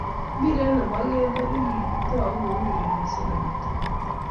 Mpiret ne bo kelto ko kitou kouu urerioshe alak tugul